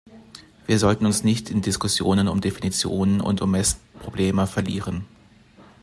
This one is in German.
Wir sollten uns nicht in Diskussionen um Definitionen und um Messprobleme verlieren.